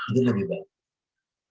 itu lebih bagus